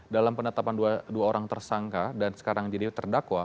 dalam penetapan dua orang tersangka dan sekarang jadi terdakwa